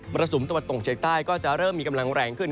รสุมตะวันตกเฉียงใต้ก็จะเริ่มมีกำลังแรงขึ้น